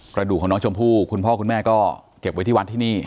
กระดูกของน้องชมพู่คุณพ่อคุณแม่ก็เก็บไว้ที่วัดที่นี่